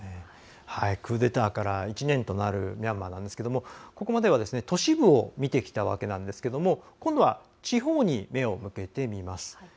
クーデターから１年となるミャンマーなんですがここまでは、都市部を見てきたわけなんですけども今度は地方に目を向けてみます。